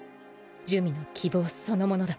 珠魅の希望そのものだ。